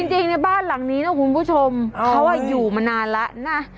จริงในบ้านหลังนี้นะคุณผู้ชมเขาอยู่มานานแล้วนะ